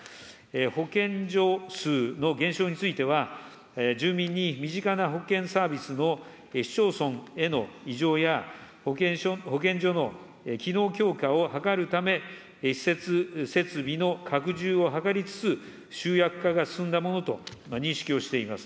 保健所数の減少については、住民に身近な保健サービスの市町村への移譲や、保健所の機能強化を図るため、施設設備の拡充を図りつつ、集約化が進んだものと認識をしています。